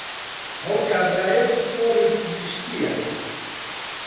ئەو کابرایە پسپۆڕی پزیشکییە